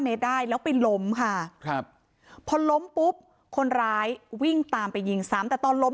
เมตรได้แล้วไปล้มค่ะครับพอล้มปุ๊บคนร้ายวิ่งตามไปยิงซ้ำแต่ตอนล้ม